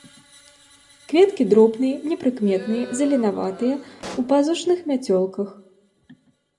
Кветкі дробныя, непрыкметныя, зеленаватыя, у пазушных мяцёлках.